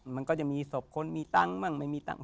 มันก็จะมีศพคนมีตังค์บ้างไม่มีตังค์